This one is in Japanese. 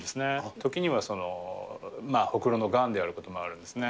ときにはホクロのがんであることもあるんですね。